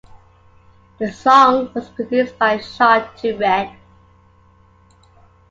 The song was produced by Shawty Redd.